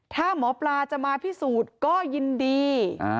ถ้าหมอปลาจะมาพิสูจน์ก็ยินดี